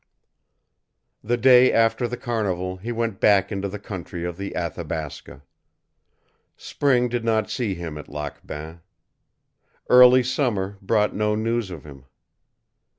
The day after the carnival he went back into the country of the Athabasca. Spring did not see him at Lac Bain. Early summer brought no news of him.